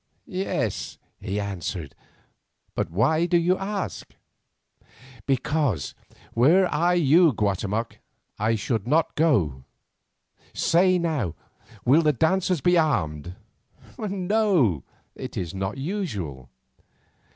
"Yes," he answered, "but why do you ask?" "Because, were I you, Guatemoc, I would not go. Say now, will the dancers be armed?" "No, it is not usual."